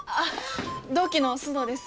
同期の須藤です。